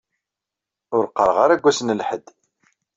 Ur qqaeɣ ara deg wass n lḥedd.